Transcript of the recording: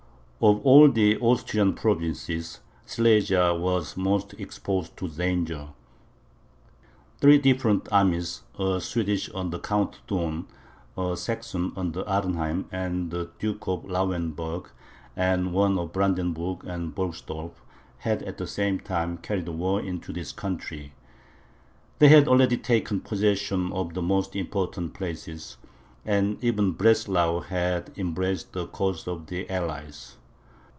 Of all the Austrian provinces, Silesia was most exposed to danger. Three different armies, a Swedish under Count Thurn, a Saxon under Arnheim and the Duke of Lauenburg, and one of Brandenburg under Borgsdorf, had at the same time carried the war into this country; they had already taken possession of the most important places, and even Breslau had embraced the cause of the allies.